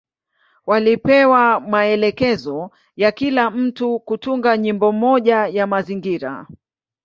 Walipewa maelekezo ya kila mtu kutunga nyimbo moja ya mazingira.